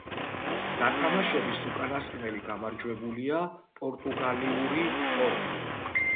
გათამაშების უკანასკნელი გამარჯვებულია პორტუგალიური „პორტუ“.